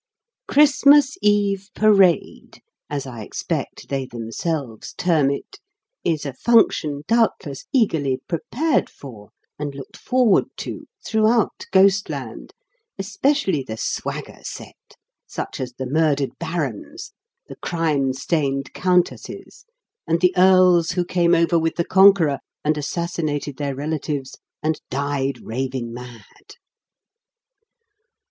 "Christmas Eve parade," as I expect they themselves term it, is a function, doubtless, eagerly prepared for and looked forward to throughout Ghostland, especially the swagger set, such as the murdered Barons, the crime stained Countesses, and the Earls who came over with the Conqueror, and assassinated their relatives, and died raving mad.